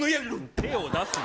手を出すな。